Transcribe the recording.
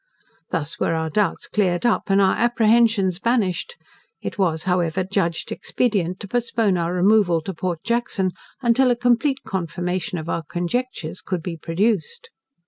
Thus were our doubts cleared up, and our apprehensions banished; it was, however, judged expedient to postpone our removal to Port Jackson, until a complete confirmation of our conjectures could be procured.